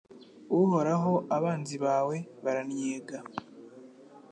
Uhoraho abanzi bawe barannyega